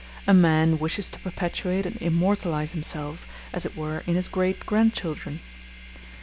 A man wishes to perpetuate and immortalize himself, as it were, in his great grandchildren.